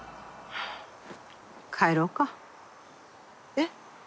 えっ？